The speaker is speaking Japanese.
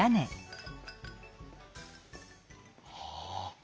はあ。